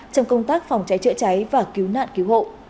trong công tác phòng cháy chữa cháy và cứu nạn cứu hộ